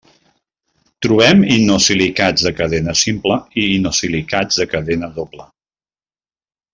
Trobem inosilicats de cadena simple i inosilicats de cadena doble.